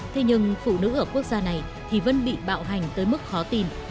thế nhưng phụ nữ ở quốc gia này thì vẫn bị bạo hành tới mức khó tin